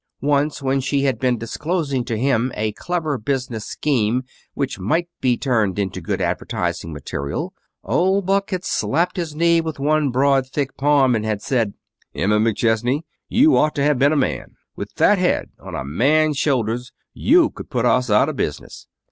Once, when she had been disclosing to him a clever business scheme which might be turned into good advertising material, old Buck had slapped his knee with one broad, thick palm and had said: "Emma McChesney, you ought to have been a man. With that head on a man's shoulders, you could put us out of business."